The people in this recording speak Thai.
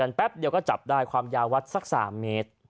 แป๊บเดียวก็จับได้ความยาววัดสัก๓เมตร